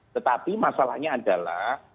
tetapi masalahnya adalah